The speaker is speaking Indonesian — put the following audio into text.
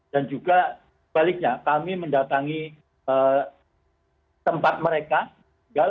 dan juga baliknya kami mendatangi tempat mereka